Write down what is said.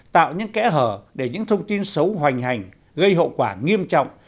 tạo những kẽ hở để những thông tin xấu hoành hành gây hậu quả nghiêm trọng